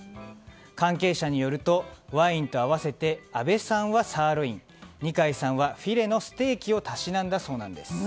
関係者によるとワインと合わせて安倍さんはサーロイン二階さんはフィレのステーキをたしなんだそうなんです。